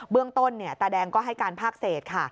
เรื่องต้นตาแดงก็ให้การภาคเศษค่ะ